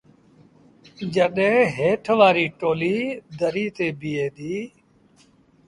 جڏهيݩ هيٺ وآريٚ ٽوليٚ دريٚ تي بيٚهي ديٚ۔